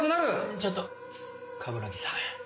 ちょっと鏑木さん。